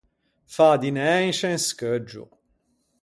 Fâ dinæ in sce un scheuggio.